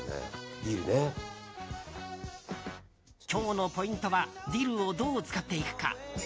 今日のポイントはディルをどう使っていくか。